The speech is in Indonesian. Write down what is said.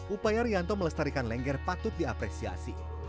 upaya rianto melestarikan lengger patut diapresiasi